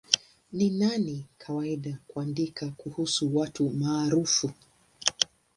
Na ni kawaida kuandika kuhusu watu maarufu.